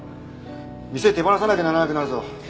店手放さなきゃならなくなるぞ。